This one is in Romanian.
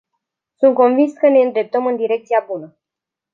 Sunt convins că ne îndreptăm în direcția bună.